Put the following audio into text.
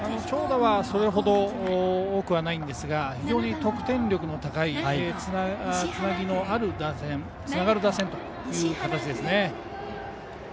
長打はそれほど多くはないんですが非常に得点力の高いつながる打線ということですね。